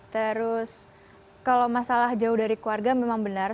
terus kalau masalah jauh dari keluarga memang benar